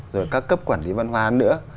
rồi các cấp quản lý văn hóa nữa